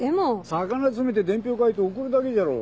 魚詰めて伝票書いて送るだけじゃろ。